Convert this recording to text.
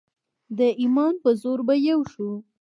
د ایمان په زور به یو شو.